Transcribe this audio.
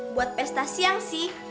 buat pesta siang sih